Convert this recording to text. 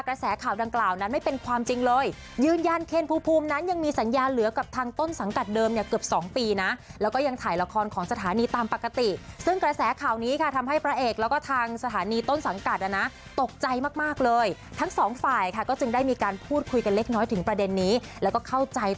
กระแสข่าวดังกล่าวนั้นไม่เป็นความจริงเลยยืนยันเคนภูมิภูมินั้นยังมีสัญญาเหลือกับทางต้นสังกัดเดิมเนี่ยเกือบสองปีนะแล้วก็ยังถ่ายละครของสถานีตามปกติซึ่งกระแสข่าวนี้ค่ะทำให้พระเอกแล้วก็ทางสถานีต้นสังกัดอ่ะนะตกใจมากมากเลยทั้งสองฝ่ายค่ะก็จึงได้มีการพูดคุยกันเล็กน้อยถึงประเด็นนี้แล้วก็เข้าใจต